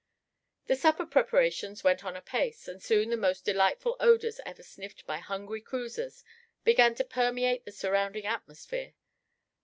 The supper preparations went on apace, and soon the most delightful odors ever sniffed by hungry cruisers began to permeate the surrounding atmosphere.